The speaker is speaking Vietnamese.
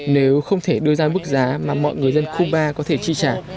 nếu không thể đưa ra mức giá mà mọi người dân cuba có thể chi trả